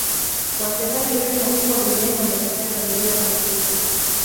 wachezaji wengi wakubwa duniani wametokea familia maskini